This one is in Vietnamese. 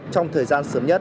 trong thời gian sớm nhất